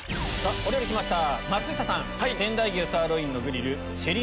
お料理来ました松下さん。